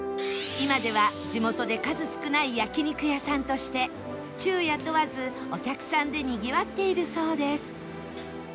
今では地元で数少ない焼肉屋さんとして昼夜問わずお客さんでにぎわっているそうです